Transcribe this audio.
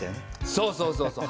そうそうそうそう。